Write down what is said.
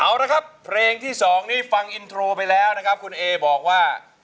เอาละครับเพลงที่๒นี้ฟังอินโทรไปแล้วนะครับคุณเอบอกว่า